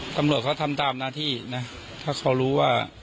ตำรวจเขาทำตามหน้าที่นะถ้าเขารู้ว่า